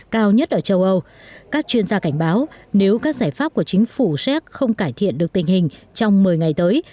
các chuyên gia cảnh báo nếu các giải pháp của chính phủ xét không cải thiện được tình hình trong một mươi ngày tới